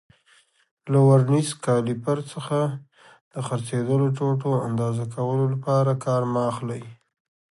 له ورنیز کالیپر څخه د څرخېدلو ټوټو اندازه کولو لپاره کار مه اخلئ.